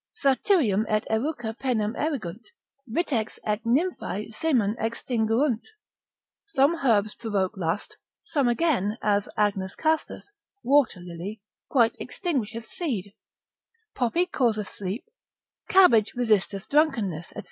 Satyrium et eruca penem erigunt, vitex et nymphea semen extinguunt, some herbs provoke lust, some again, as agnus castus, water lily, quite extinguisheth seed; poppy causeth sleep, cabbage resisteth drunkenness, &c.